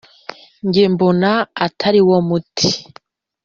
Nge mbona atari wo muti